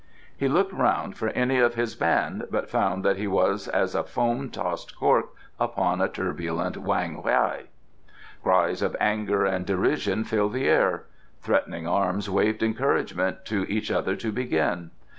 He looked round for any of his band, but found that he was as a foam tossed cork upon a turbulent Whang Hai. Cries of anger and derision filled the air; threatening arms waved encouragement to each other to begin.